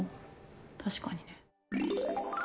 確かにね。